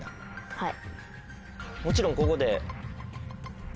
はい。